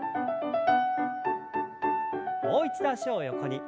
もう一度脚を横に。